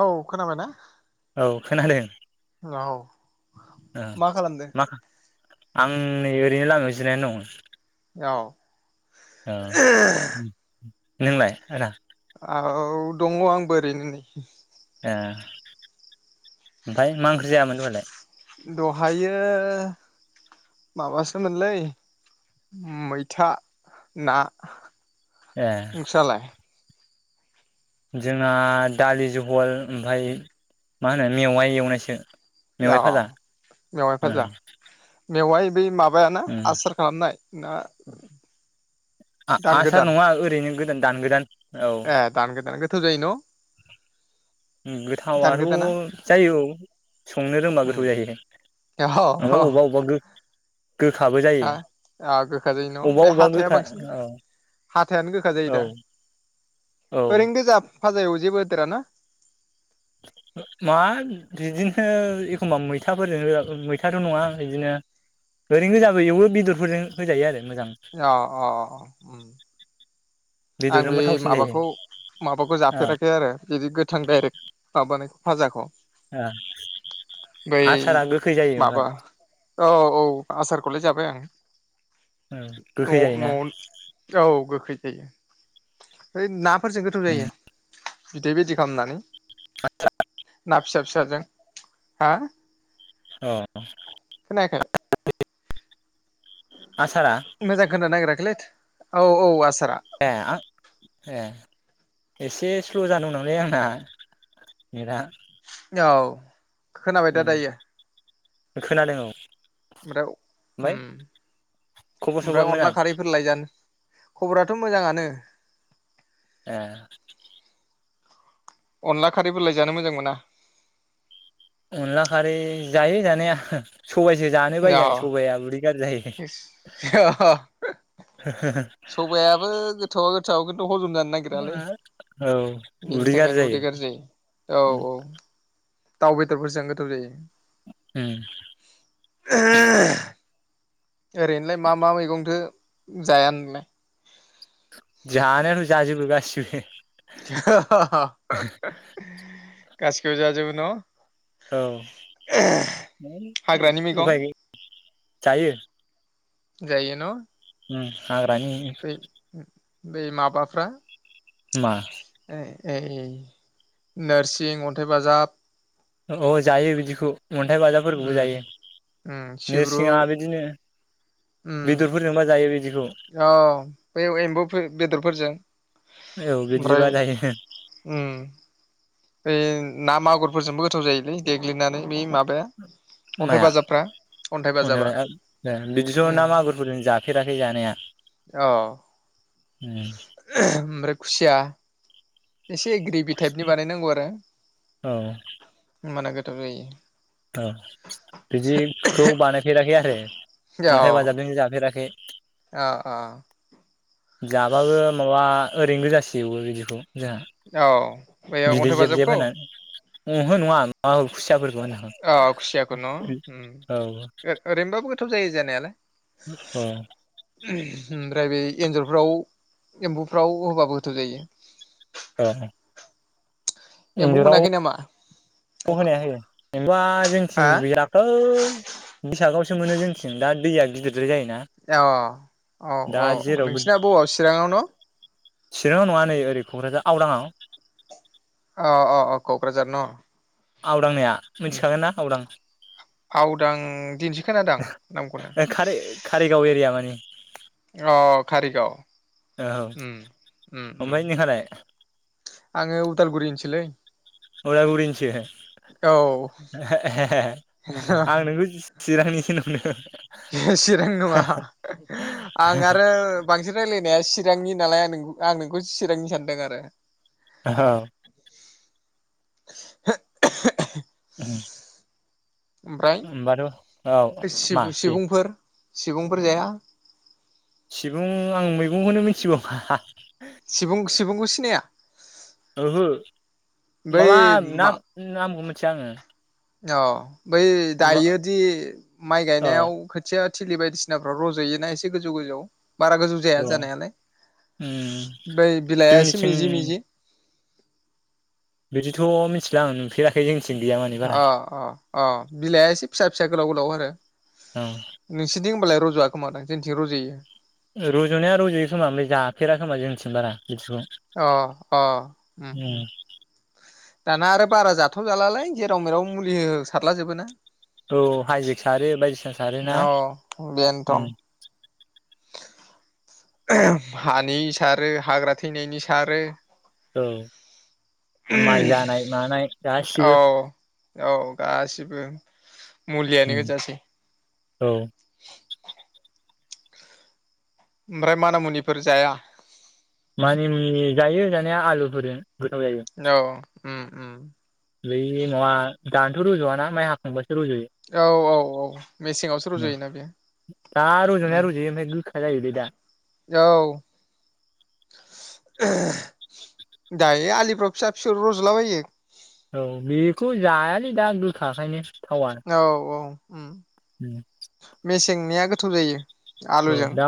औ खोनाबायना औ खोनादों औ ओ मा खालामदो मा आं नैओरैनो लामायाव औ अ नोंलाइ औ दङ आंबोओरैनो ए दहायो माबासोमोनलै मैथा ना ए नोंसालाइ जोंना दालि जहल ओमफफ्राय मा होनो मेवाइ एवनायसो मेवाइ उ फाजा मेवाय ओ फाजा मेवाय बै माबा माबायाना उम आसार खालामनाय ना दान गोदान आसार नङा ओरैनो दान गोदान औ ए दानगो दान गोथाव जायो न' दान गोथावथ' गोदाना जायो संनो रोंबा उम गोथाव जायो औ ओमफ्राय अबेबा अबेबा गो गोखाबो जायो हा ओ गोखा जाय न' अबेबा बे अबेबा हाथाइ गोखा बांसिन औ हाथायानो गोखा औ जायोदा औ ओरैनो गोजा भाजायाव जेबो होदेर ना मा बिदिनो एखमबा मैथाफोरजों मैथाथ' नङा बिदिनो ओरैनो गोजाबो एवो बेदरफोरजों होजायो आरो मोजां अ अ आंबो बेदरजोंबो बे थावसिन जायो माबाखौ माबाखौ ओ जाफेराखै आरो बिदि गोथां डाइरेक्ट माबानायखौ फाजाखौ ओ बै आसारा गोखै जायो माबा ओमफ्राय औ औ आसारखौलाय जाबाय आं उम न गोखै जायोना न' औ गोखै जायो [unintelligible] ओ ना फोरजों गोथाव उम जायो। बिदै बिदि खालामनानै [unintelligible] ना फिसा फिसाजों हा अ खानायाखै आसारा मोजां खानानो नागेराखैलै औ औ आसार ऐ एसे स्ल' जादोंमोन लै आंना नेटवर्क आ औ खोनाबाय दा दायो खोनादों औ [unintelligible] उम ओमफ्राय खबर सबर ओमफ्राय मोजां अनला खारैफोरलाय जानो खबराथ' मोजाङानो ए अनला खारैफोरलाय जानो मोजां मोना अनला खारै जायो जानाया सबायाइसो जानो बायो आं सबाइ आ उदै गाज्रि जायो हा हा सबायाबो गोथौआ गोथाव गोथावा गोथाव हजम जानो नागिरालै औ बेनि उदै गाज्रि थाखायनो जायो उदै गाज्रि जायो औ उम औ दाउ बेदरफोरजों गोथाव जायो उम उम ओरैनोलाय मा मा मैगंखो जाया नोंङो जानायाथ जाजोबो गासिबो [unintelligible] गासैखौबो जाजोबो न औ हाग्रानि मैगं उफाय गै जायो जायो न उम हाग्रा नि बै बै माबाफ्रा मा ए नोरसिं अन्थाइ बाजाब अ जायो बिदिखौ अन्थाइ बाजाफोरखौबो उम जायो उम सिब्रु नोरसिङा बिदिनो उम बेदरफोरजोंबा जायो बिदिखौ औ बेयाव एम्बु बेदरफोरजों औ ओमफ्राय बिदिबा जायो उम- ना मागुरफोरजोंबो गोथाव जायोलै देग्लिनानै बे माबाया अन्थाइ माया बाजाबफ्रा अन्थाइ बाजाबा अ ए बिदिथ' उम ना मागुरफोरजों जाखो जाफेराखै जानाया अ ओमफ्राय खुसिया एसे ग्रिबि टाइपनि बानायनांगौ आरो औ होनबाना गो थाव जायो औ बिदिखौ बानायफेराखै आरो अन्थाइ औ बाजाबजों जाफेराखै अ अ जाबाबो माबा ओरैनो गोजासो बिदिखौ जोंहा औ बैयाव बिदै अन्थाइ जेब जेब बाजाबखौ होननानै उ हो नंङा मागुर खुसियाफोरखौ होनदों औ खुसियाखौ न औ थ' जायो जानायालाय औ ओमफ्राय बे एन्जरफ्राव एम्बुफ्राव होबाबो गोथाव जायो। औ। एम्बौ मोनाखै नामा।? ब होनाया होयो जेनेबा हा जोंथिं गैयाखै बैसागाव मोनो जोंथिं दा दैया गिदिर अ औ दा औ औ जेरावबो नोंसना बबाव चिराङाव न? चिराङाव नङा नै ओरै क'क्राझार आवराङआव। अ अ अ क'क्राझार न। आउट आंनियाव मिथिखागोन ना। [unintelligible] आवदां दिनैसो खोनादों आं नामखौहाय। आरो [unintelligible] अ कारिगाव औ ओमफ्राय नोंहालाय आङो उदालगुरिनोसोलै। उदालगुरिनिसो। औ। आं नोंखौ चिरांनिसो नंदों [unintelligible] चिरां नङा आं आरो बांसिन रायलायनाया सिरां [inaudible] चिरांनि नालाय आं नोंखौ चिरांनि सानदों आरो। औ। [inaudible] औ [inaudible] ओमफ्राय होनोमबाथ' औ मा दे। सिगुंफोर जाया। सिबुं आं मैगंखौनो मिथिबावा। सिबुंखौ सिनाया? ओहो। बै माबा ना नाम थिआ आंङो औ। बै दायोदि माइ औ गायनायाव खोथिया थिलि बायदिसिनाफ्राव रज'योना एसे गोजौ गोजौ? बारा गोजौ जाया औ जानायालाय उम ओमफ्राय बिलाइआ एसे जोंनिथिं मिजि मजि। बिदिथ' मिथिला आं नुफेराखै जोंनिथिं गैया माने बारा अ अ अ बिलाइआ एसे फिसा फिसा गोलाव गोलावहाय। औ [unintelligible] नोंसिथिंबालाय रज'वा खोमादां? जोंनिथिं रजयो। रज'नाया रजयो खोमा ओमफ्राय जाफेराखोमा जोंनिथिं बारा। बिदिखौ अ अ ओम ओम उम दाना आरो बारा जा थावजालालाय जेराव-मेराव मुलि हो सारला जोबोना औ हाइजेक सारो बायदिसिना सारोना अ बेनथन हानि सारो हाग्रा थैनायनि सारो औ माइ जानाय मानाय औ गासिबो औ गासिबो मुलियानो उम गोजासै [inaudible] औ ओमफ्राय मानि मुनिफोर जाया? मानि मुनि जायो जानाया आलुफोरजों। औ ओम ओम बेै नंङा [inaudible] जवा ना म हाखां [inaudible] औ औ औ मेसेङावसो उम रज'योना बेयो दा रज'नाया ओम रज'यो ओमफ्राय गोखा जायोलै दा औ। दायो आलिफ्राव फिसा-फिसौ रज'लाबायो औ बेखौ जायालै दा गोखाखायनो थावा औ औ ओम उम मेसे निया गोथाव जायो औ आलुजों दा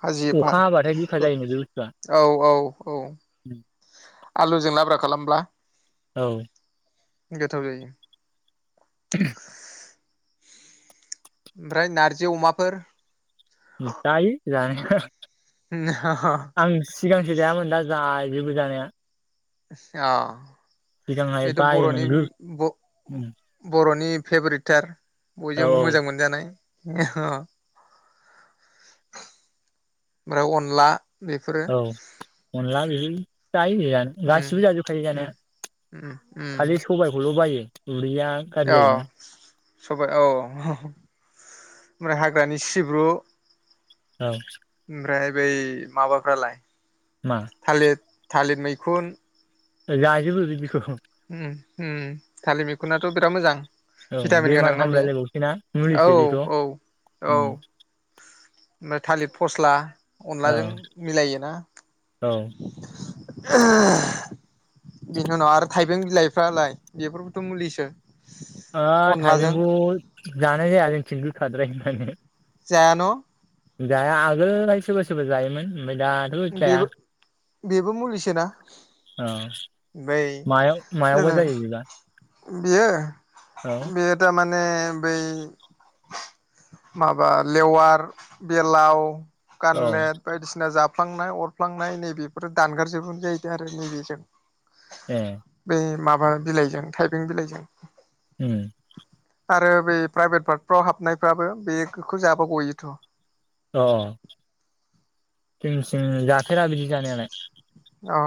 भाजि, अखा हाबाथाय बिखा जायोनो बे बुस्थुआ औ औ औ आलुजों लाब्रा खालामब्ला औ गोथाव जायो। ओमफ्राय नारजि अमाफोर जायो जानाया आं सिगांसो जायामोन दा जा जोबो जानाया [unintelligible] सिगांहाय बेथ' बायोमोन बर'नि गो बर'नि फेभरेट टार औ बयजोंबो मोजां मोनजानाय ओ ओमफ्राय अनला बेफोरो औ [inaudible] जायो जानाया उम गासिबो जाजोबखायो उम जानाया उम उम खालि सबायखौल' बायो। गुरोया अ खाजायोना सबाय औ हा ओमफ्राय हाग्रानि सिब्रु औ ओमफ्राय बै माबाफ्रालाय मा थालिर थालिर मैखुन जाजोबो बेखौ उम उम थालिर मैखुनाथ' बिराद मोजां औ भिटामिन बेमार गोनांनाा बेयो हामलायलायबावसै ना औ मुलिसो बेथ' औ औ ओमफ्राय थालिर फस्ला अनलाजों मिलायो ना औ हो बिनिउनाव आरो थाइबें बिलाइफ्रालाय बेफोरबोथ' मुलिसो आ अनलाजों थाइबेंखौ जानाया जायालै खिनबोखाद्राय जायोबेनो जायान' जाया आगोलहाय सोरबा सोरबा जायोमोन ओगफाय दाथ जाया बेबो बेबो मुलिसोना औ ओमफ्राय मा मायावबो जोङो जायो बिब्ला बियो बेयो दा माने माने बै माबा लेवार बेलाव औ गानलेद बायदिसिना जाब हुफ्लांनाय अरफ्लांनाय नैबेफोर दानगार जोबबोनो जाहैदों आरो नैबेजों ए बे माबा माबा बिलाइजों थाइबें बिलाइजों उम आरो बै प्राइभेट फाथफ्राव हाबनायफ्राबो बेखौ जाब गयोथ' अ जोंथिं जाफेरा बिदि जानायालाय अ अ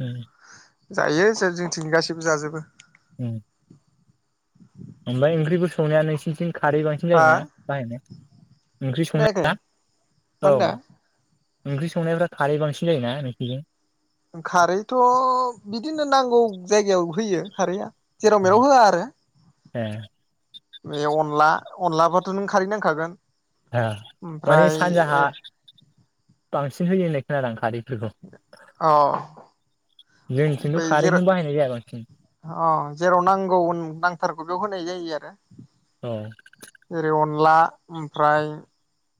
उम जायो जोंथिंनि गासैबो जाजोबो उम ओमफ्राय ओंख्रिबो संनाया नोंसिनिथिं खारै बायदि हा जायोना बाहायनो ओंख्रि खोनायाखै संनाया मा औ होनदों ओंख्रि संनायफ्रा खारै बांसिन जायोना नोंसिनिथिं खारैथ' बिदिनो नांगौ जायगायाव होयो खारैआ जेराव मेराव होआ आरो ए बे अनला अनलाबथ' नों खारै नांखागोन ओ माने ओमफ्राय सानजाहा बांसिन होयोनाय खोनादां खारै औ जोंनिथिंथ' जेराव खारैखौनो बाहायनाय जाया बांसिन अ जेराव नांगौ उम नांथारगौ बेयाव होनाय जायो आरो [inaudible] [unintelligible] ओरै अनला ओमफ्राय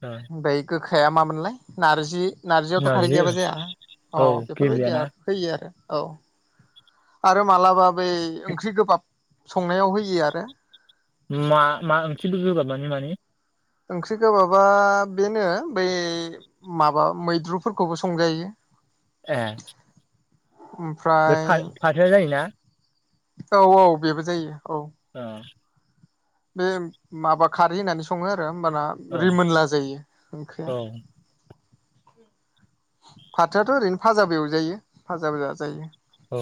औ बायखो गोखाया मामोनलाय नार्जि नारजियावथ' खारै नारजि गैयाबा जाया अ औ बेफोरबायदिया गेब्लेयाना होयो आरो औ आरो मालाबा बै ओंख्रि गोबाब संनायाव होयो आरो मा मा ओंख्रि गोगाब मानि ओंख्रि गोबाबबा बेनो बै माबा मैद्रुफोरखौबो संजायो ए बे ओमफ्राय फा-फाथोया जायोना औ औ बेबो जायो औ ओ बे माबा खारै होननानै सङो आरो होमबाना औ रिमोनला जायो ओंख्रिया औ फाथोयाथ' ओरैनो फाजाबो एवजायो फाजाबो जाजायो औ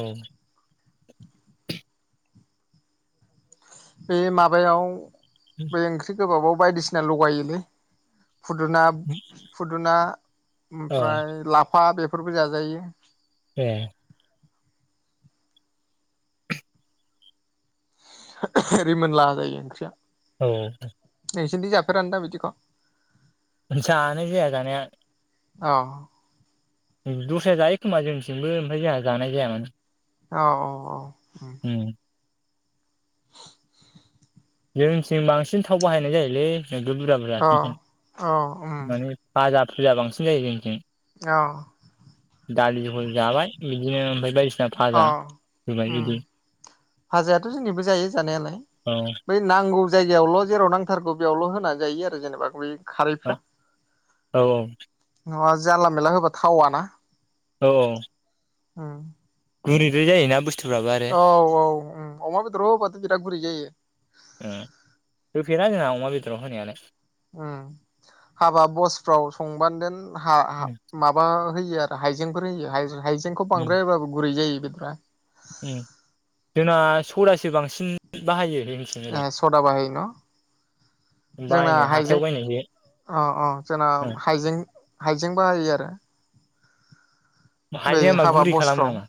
बे माबायाव बै ओंख्रि गोबाबाव बायदिसिना लगायोलै। फुुदुना फुदुना औ ओमफ्राय लाफा बेफ फोरबो जाजायो। ए। [unintelligible] रिमोनला जायो ओंख्रिया। औ। नोंसोरनथि जाफेरान दा बिदिख'? जानाय जाया जानाया। अ। दस्राया जायो खोमा जोंनिथिंमबो ओमफ्राय जोंहा जानाय जायाना। औ औ औ। जोंनिथिं बांसिन थाव बाहायनाय जायोलै। नोगोर बुरजा बुरजा औ [unintelligible] माने फाजा खोलिया बांसिन जायो जोंनिथिं। औ। दालि जहल जाबाय बिदिनो ओमफाय बायदिसि अ उम भाजायाथ' जोंनिबो जायो जानायालाय। औ बै नांगौ जायगायावल' जेराव नांथारगौ बेयावल' होनानै जायो आरो जेनेबा बे औ खारैफ्रा औ न'आज जानला मेनला होबा थावाना। औ औ। उम। गुरैद्राय जायोना बुस औ औ उम अमा बेदराव होबाथ' बिराद गुरै जायो। राव होनायानो। उम हाबा बसफ्राव संबा देन हा हा माब है यो आरो हाइजेंफोर होयो हाय-हायजे जेंखौ उम बांद्राय होबाबो गुरै जायो। [unintelligible] उम जोंना स'दासो बांसिन बाहायो। जोंनिथिं ए ओरै स'दा बाहायो न? जोंना बायनो हाइजें हाथायाव बायनायसो अ अ जोंना हाइजें हाइजें बाहायो आरो। बै हाइजें मा हाबा गुरै खालामो बसफ्राव। नामा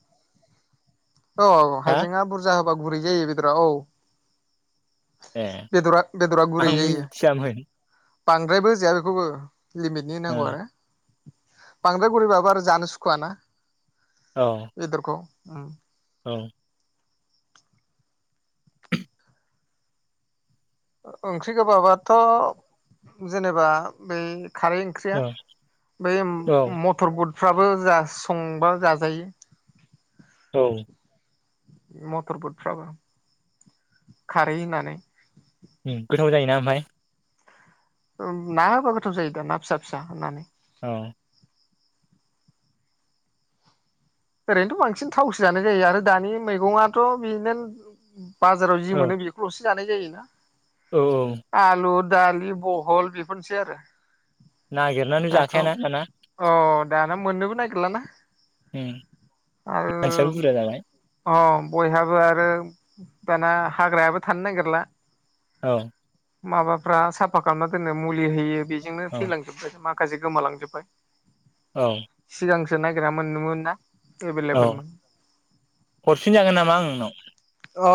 औ औ औ हा हायजेंआ बुरजा होबा गुरै जायो बेदरा औ। ए बेदरा बेदरा गुरै आं जायो। मिथियामोन बांद्रायबो होजाया बेखौबो। लिमिटनि ओ होनांगौ आरो। बांद्राय गुरै बाबो आरो जानो सुखुवाना। औ बेदरखौ। उम। औ। ओ ओंख्रि गोबाबाथ' जेनेबा बै। खारै ओंख्रिया औ बै औ मथरबो। फ्राबो जास संबा जाजायो। औ। मटर बुटफ्राबो खारै होनानै। उम गोथाव जायोना ओमफाय। ओं ना होबा गोथाव जायो दा ना फिसा फिसा होनानै। औ। ओरैनोथ' बांसिन थावस जानो जायो आरो दानि मैगङाथ' बिनो बाजाराव जि औ मोनो बेखौल'सो जानाय जायो। [inaudible] औ औ। दालि बहल बेफोरनोसै आरो। नागिरनानै दाथ' जाखायाना दाना। अ दाना मोननोबो नागिरलाना। आरो मानसियाबो बुरजा जाबाय। अ बयहाबो आरो दाना हाग्रायाबो थानो नागिरला। औ। माबाफ्रा साफा खालामना दोननो मुलि। मुलि होयो बेजोंनो औ थैलांजोबबाय मा। माखासे गोमालांजोब्बाय। औ। [inaudible] औ एभेलेबेलमोन। हरफिनजागोन नामा आं नोंनाव। अ।